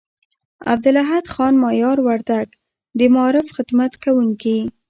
عبدالاحد خان مایار وردگ، د معارف خدمت کوونکي